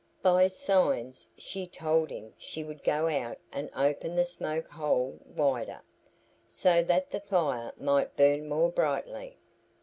By signs she told him she would go out and open the smoke hole wider, so that the fire might burn more brightly.